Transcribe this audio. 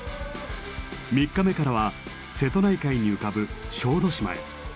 ３日目からは瀬戸内海に浮かぶ小豆島へ。